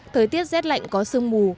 thời tiết rét lạnh có sương mù